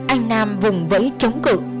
anh nam vùng vẫy chống cự